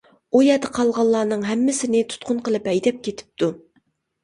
ئۇ يەردە قالغانلارنىڭ ھەممىسىنى تۇتقۇن قىلىپ ھەيدەپ كېتىپتۇ.